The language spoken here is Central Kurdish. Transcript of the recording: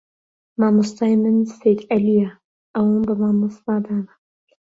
مامۆستای من سەید عەلیە ئەوم بە مامۆستا دانا